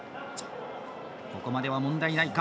ここまでは問題ないか。